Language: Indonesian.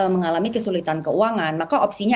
mengalami kesulitan keuangan maka opsinya